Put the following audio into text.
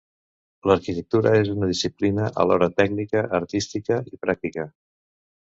L'arquitectura és una disciplina alhora tècnica, artística i pràctica.